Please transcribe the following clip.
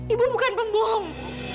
ibu bukan pembohong